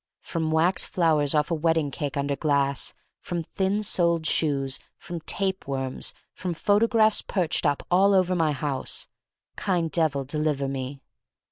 From wax flowers off a wedding cake, under glass; from thin soled shoes; from tape worms; from photo graphs perched up all over my house: Kind Devil, deliver me.